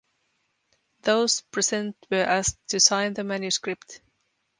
Those present were asked to sign the manuscript.